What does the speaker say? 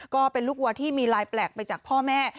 ก็เป็นลูกวัวที่มีลายแปลกไปจากพ่อแม่